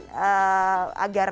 agar tadi mengurangi potensi